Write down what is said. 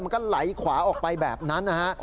มันก็ไหลขวาออกไปแบบนั้นนะฮะ